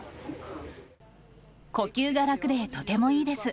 呼吸が楽でとてもいいです。